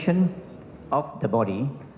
an otopsi itu sebenarnya